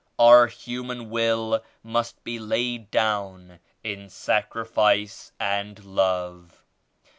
Our human will must be laiti down in sacrifice and love.